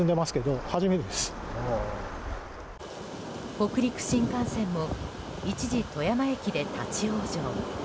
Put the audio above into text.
北陸新幹線も一時、富山駅で立ち往生。